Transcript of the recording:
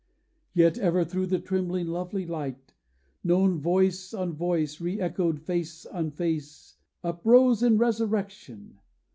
Yet ever, thro' the trembling lovely light, Known voice on voice re echoed, face on face Uprose in resurrection.